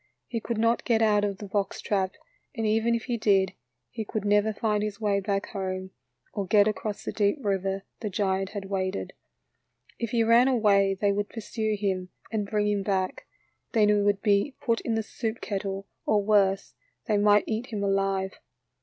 He could not get out of the box trap, and even if he did, he could never find his way back home, or get across the deep river the giant had waded. If he ran away they would pursue him and bring him back, then he would be put in the soup kettle, or worse, they might eat him alive.